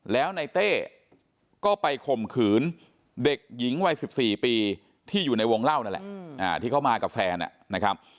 แล้วในเต้ก็ไปข่มขืนเด็กหญิงวัย๑๔ปีที่อยู่ในวงเล่านั่นแหละที่เขามากับแฟนนะครับ